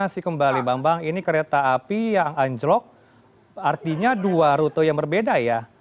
masih kembali bambang ini kereta api yang anjlok artinya dua rute yang berbeda ya